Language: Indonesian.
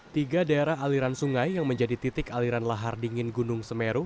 tiga daerah aliran sungai yang menjadi titik aliran lahar dingin gunung semeru